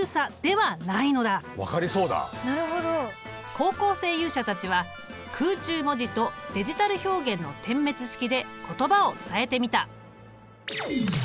高校生勇者たちは空中文字とデジタル表現の点滅式で言葉を伝えてみた。